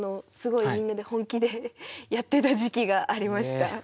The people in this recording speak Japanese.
すごいみんなで本気でやってた時期がありました。